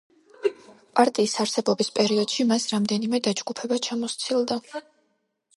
პარტიის არსებობის პერიოდში მას რამდენიმე დაჯგუფება ჩამოსცილდა.